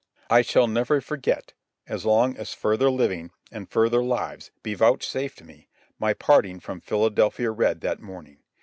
I shall never forget, as long as further living and further lives be vouchsafed me, my parting from Philadelphia Red that morning.